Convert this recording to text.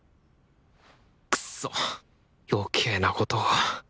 クソ余計なことを。